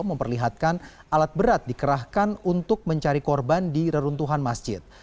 memperlihatkan alat berat dikerahkan untuk mencari korban di reruntuhan masjid